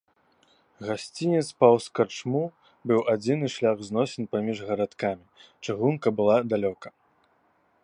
Гасцінец паўз карчму быў адзіны шлях зносін паміж гарадкамі, чыгунка была далёка.